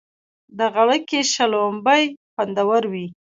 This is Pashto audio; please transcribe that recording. د غړکی شلومبی خوندوری وی.